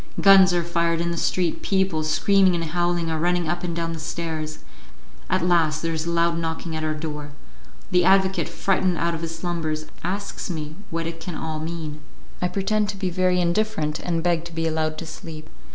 Guns are fired in the street, people, screaming and howling, are running up and down the stairs; at last there is a loud knocking at our door. The advocate, frightened out of his slumbers, asks me what it can all mean; I pretend to be very indifferent, and beg to be allowed to sleep.